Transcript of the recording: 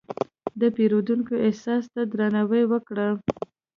د پیرودونکي احساس ته درناوی وکړه.